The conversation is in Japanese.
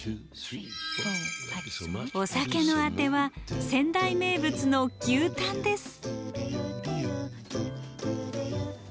お酒のあては仙台名物の牛タンです。